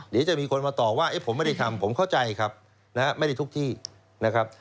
เดี๋ยวจะมีคนมาตอบว่าผมไม่ได้ทำผมเข้าใจครับนะฮะไม่ได้ทุกที่นะครับ